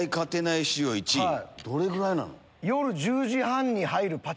どれぐらいなの？